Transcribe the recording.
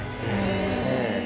ええ。